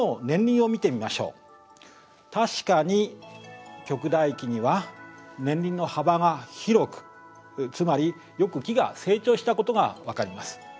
確かに極大期には年輪の幅が広くつまりよく木が成長したことが分かります。